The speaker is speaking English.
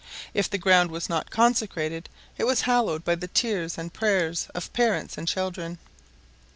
If the ground was not consecrated, it was hallowed by the tears and prayers of parents and children.